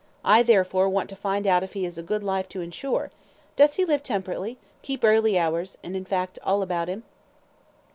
I, therefore, want to find out if he is a good life to insure; does he live temperately? keep early hours? and, in fact, all about him?"